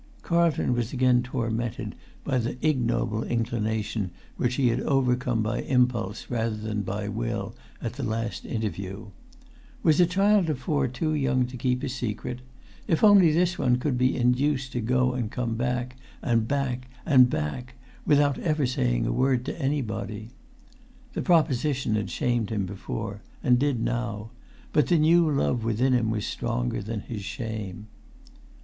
Carlton was again tormented by the ignoble inclination which he had overcome by impulse rather than by will at the last interview. Was a child of four too young to keep a secret? If only this one could be induced to go and come back, and back, and back, without ever saying a word to anybody! The proposition had shamed him before; and did now; but the new love within him was stronger than his shame.